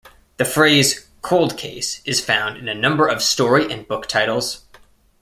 The phrase "Cold Case" is found in a number of story and book titles.